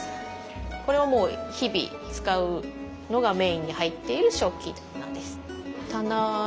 これはもう日々使うのがメインに入っている食器棚です。